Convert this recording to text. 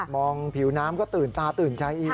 ผิวน้ำก็ตื่นตาตื่นใจอีก